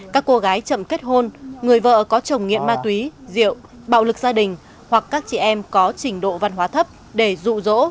các cô gái chậm kết hôn người vợ có chồng nghiện ma túy rượu bạo lực gia đình hoặc các chị em có trình độ văn hóa thấp để rụ rỗ